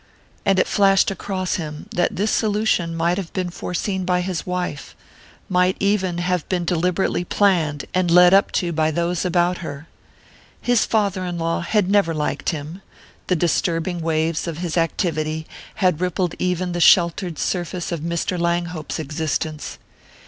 And it flashed across him that this solution might have been foreseen by his wife might even have been deliberately planned and led up to by those about her. His father in law had never liked him the disturbing waves of his activity had rippled even the sheltered surface of Mr. Langhope's existence.